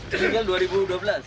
ini tinggal dua ribu dua belas